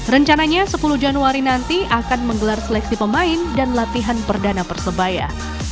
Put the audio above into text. rencananya sepuluh januari nanti akan menggelar seleksi pemain dan latihan perdana persebaya